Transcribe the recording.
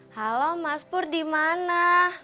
halo mas pur di mana